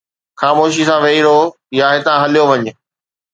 خاموشي سان ويھي رھو يا ھتان ھليو وڃ